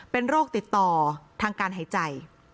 เป็นโรคติดต่อทางการหายใจ